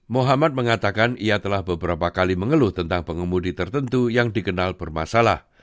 muhammad mengatakan ia telah beberapa kali mengeluh tentang pengemudi tertentu yang dikenal bermasalah